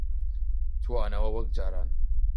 توانەوە وەک جاران